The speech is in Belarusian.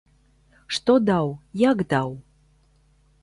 Што даў, як даў?